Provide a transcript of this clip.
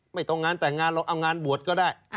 ไม่ต้องงานแต่งงานหรอกเอางานบวชก็ได้